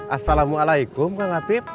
assalamu'alaikum kang afif